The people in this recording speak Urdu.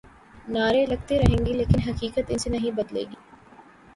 نعرے لگتے رہیں گے لیکن حقیقت ان سے نہیں بدلے گی۔